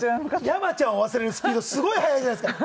山ちゃんを忘れるスピードすごい早いじゃないですか。